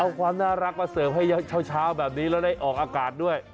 เอาความน่ารักมาเสิร์ฟให้เช้าแบบนี้แล้วได้ออกอากาศด้วย